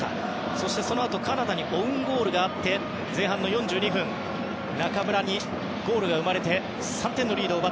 そしてそのあと、カナダにオウンゴールがあって前半の４２分中村にゴールが生まれて３点のリードです。